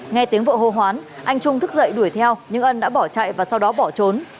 nghe tiếng vợ hô hoán anh trung thức dậy đuổi theo nhưng ân đã bỏ chạy và sau đó bỏ trốn